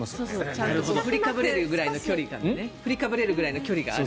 ちゃんと振りかぶれるぐらいの距離がある。